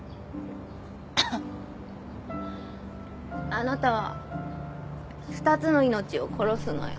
あなたは２つの命を殺すのよ。